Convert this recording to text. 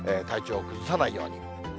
体調を崩さないように。